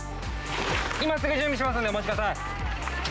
今すぐ準備するんで、お待ちください。